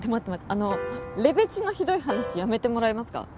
あのレベチのひどい話やめてもらえますか？